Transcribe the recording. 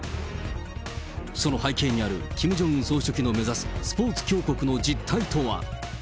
その背景にあるキム・ジョンウン総書記の目指すスポーツ強国の実